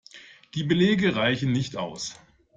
Die Belege reichen nicht aus.